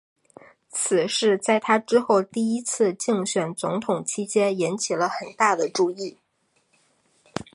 此事在他之后第一次竞选总统期间引起了很大的注意。